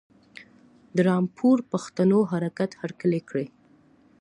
د رامپور پښتنو حرکت هرکلی کړی.